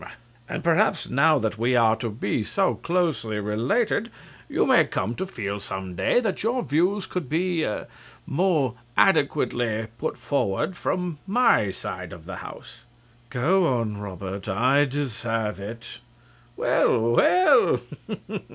And perhaps now that we are to be so closely related, you may come to feel some day that your views could be ah more adequately put forward from my side of the House. RICHARD. Go on, Robert; I deserve it. CRAWSHAW. Well, well!